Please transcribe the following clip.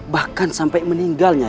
bahkan sampai meninggal nya